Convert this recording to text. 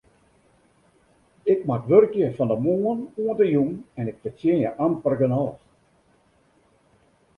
Ik moat wurkje fan de moarn oant de jûn en ik fertsjinje amper genôch.